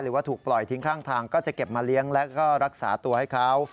หรือว่าถูกปล่อยทิ้งข้างทางก็จะเก็บมาเลี้ยงแล้วก็รักษาตัวให้เขา